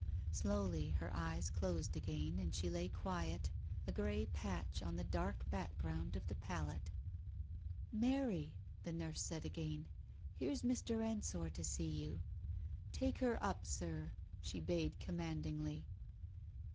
Slowly her eyes closed again and she lay quiet, a grey patch on the dark background of the pallet. "Mary !" the nurse said again. "Here's Mr. Ensor to see you. ... Take her up, Sir," she bade command ingly.